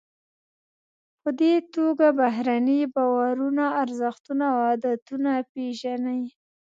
په دې توګه بهرني باورونه، ارزښتونه او عادتونه پیژنئ.